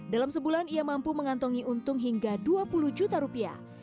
dalam sebulan ia mampu mengantongi untung hingga dua puluh juta rupiah